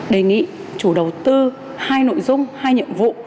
đề nghị chủ đầu tư hai nội dung hai nhiệm vụ